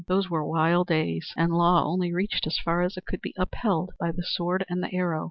Those were wild days, and law only reached as far as it could be upheld by the sword and the arrow.